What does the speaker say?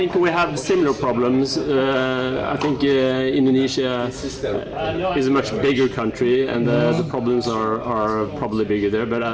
kuliah umum indonesia adalah negara yang lebih besar dan masalahnya mungkin lebih besar